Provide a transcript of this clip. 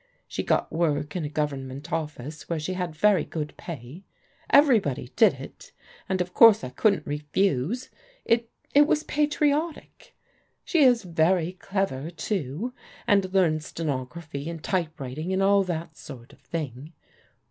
She got work in a Government office where she had very good pay. Everybody did it, and of course I couldn't refuse. It — it was patriotic. She is very clever, too, and learned stenography and typewriting and all that sort of thing.